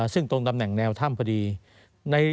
ซึ่งตรงตำแหน่งแนวถ้ำพอดี